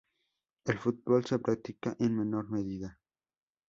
El fútbol se practica en menor medida.